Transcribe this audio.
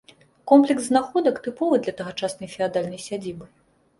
Комплекс знаходак тыповы для тагачаснай феадальнай сядзібы.